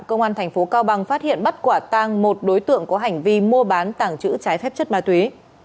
công an thành phố cao bằng phát hiện bắt quả tang một đối tượng có hành vi mua bán tàng trữ trái phép chất ma túy